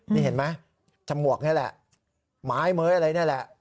นี่เห็นไหมจมวกนี่แหละไม้เม้ยอะไรนี่แหละ